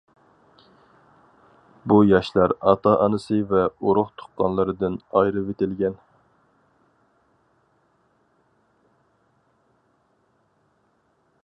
بۇ ياشلار ئاتا-ئانىسى ۋە ئۇرۇق-تۇغقانلىرىدىن ئايرىۋېتىلگەن.